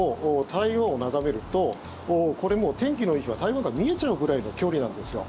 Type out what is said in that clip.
台湾を眺めるとこれ、もう天気のいい日は台湾が見えちゃうぐらいの距離なんですよ。